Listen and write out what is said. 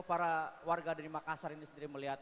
para warga dari makassar ini sendiri melihat